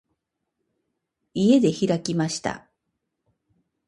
家で開きました。